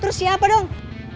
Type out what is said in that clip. terus siapa dong